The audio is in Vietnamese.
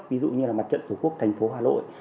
ví dụ như là mặt trận tổ quốc thành phố hà nội